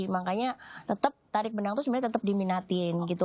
makanya tetap tarik benang itu sebenarnya tetap diminatin gitu